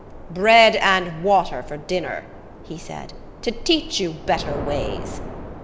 "Bread and water for dinner," he said, "to teach you better ways."